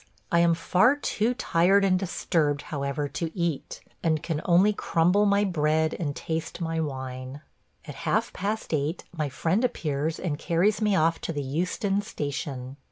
I am far too tired and disturbed, however, to eat, and can only crumble my bread and taste my wine. At half past eight my friend appears and carries me off to the Euston station.